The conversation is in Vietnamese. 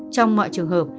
trong mọi trường hợp